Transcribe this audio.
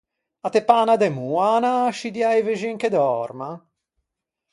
A te pâ unna demoa anâ à ascidiâ i vexin che dòrman?